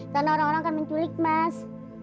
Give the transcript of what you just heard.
karena orang orang akan menculik mas